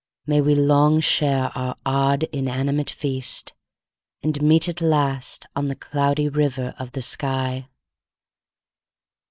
May we long share our odd, inanimate feast, And meet at last on the Cloudy River of the sky.